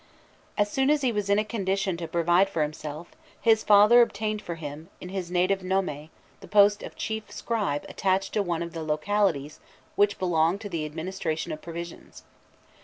As soon as he was in a condition to provide for himself, his father obtained for him, in his native Nome, the post of chief scribe attached to one of the "localities" which belonged to the Administration of Provisions.